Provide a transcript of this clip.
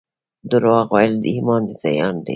درواغ ویل د ایمان زیان دی